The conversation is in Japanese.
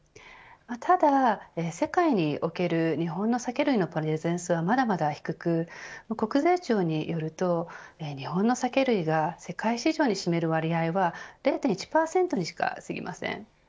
ただ世界における、日本の酒類のプレゼンスはまだまだ低く国税庁によると日本の酒類が世界市場に占める割合は０．１％にしか過ぎません。